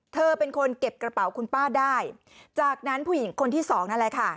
เธอเป็นคนเก็บกระเป๋าคุณป้าได้จากนั้นผู้หญิงคนที่สองนั่นแหละค่ะ